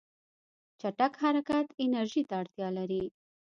چټک حرکت انرژي ته اړتیا لري.